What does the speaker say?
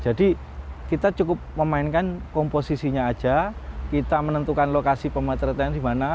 jadi kita cukup memainkan komposisinya aja kita menentukan lokasi pematerian di mana